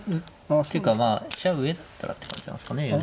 ていうかまあ飛車上だったらって感じなんですかね。